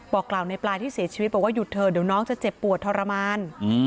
บอกกล่าวในปลายที่เสียชีวิตบอกว่าหยุดเถอะเดี๋ยวน้องจะเจ็บปวดทรมาน